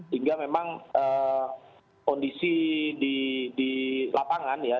hingga memang kondisi di lapangan ya